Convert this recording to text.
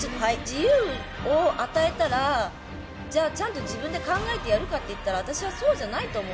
自由を与えたらじゃあちゃんと自分で考えてやるかって言ったら私はそうじゃないと思うの。